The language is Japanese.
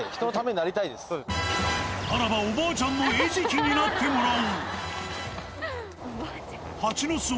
ならば、おばあちゃんの餌食になってもらおう。